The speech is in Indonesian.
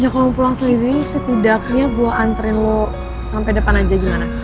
ya kalo mau pulang sendiri setidaknya gue anterin lo sampe depan aja gimana